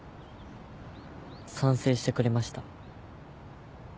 賛成してくれました。